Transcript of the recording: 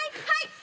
はい。